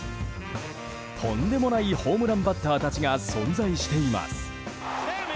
とんでもないホームランバッターたちが存在しています。